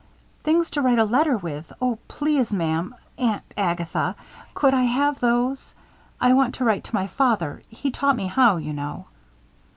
"Things to write a letter with oh, please, ma'am Aunt Agatha, could I have those? I want to write to my father he taught me how, you know."